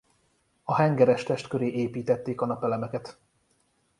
A hengeres test köré építették a napelemeket.